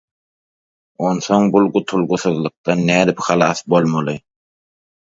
Onsoň bu gutulgysyzlykdan nädip halas bolmaly?